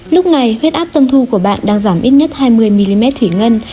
lúc này huyết áp tâm thu của bạn đang giảm ít nhất hai mươi mm thủy ngân